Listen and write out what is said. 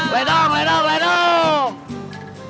ledang ledang ledang